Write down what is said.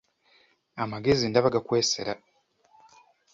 Amagezi ndaba gakwesera!